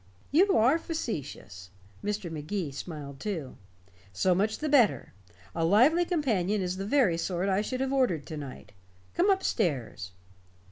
"You are facetious." Mr. Magee smiled too. "So much the better. A lively companion is the very sort I should have ordered to night. Come up stairs."